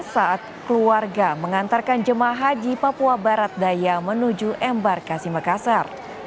saat keluarga mengantarkan jemaah haji papua barat daya menuju embarkasi makassar